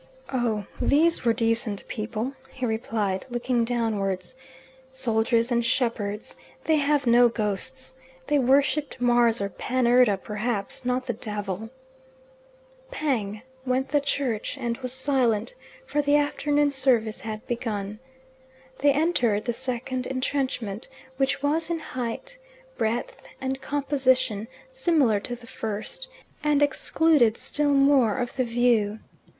"Oh, these were decent people," he replied, looking downwards "soldiers and shepherds. They have no ghosts. They worshipped Mars or Pan Erda perhaps; not the devil." "Pang!" went the church, and was silent, for the afternoon service had begun. They entered the second entrenchment, which was in height, breadth, and composition, similar to the first, and excluded still more of the view.